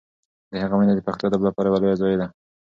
د هغه مړینه د پښتو ادب لپاره یوه لویه ضایعه ده.